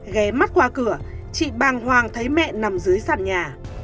ghé mắt qua cửa chị bàng hoàng thấy mẹ nằm dưới sàn nhà